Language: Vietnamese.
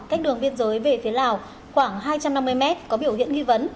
cách đường biên giới về phía lào khoảng hai trăm năm mươi m có biểu hiện ghi vấn